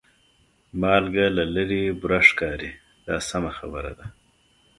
مالګه له لرې بوره ښکاري دا سمه خبره ده.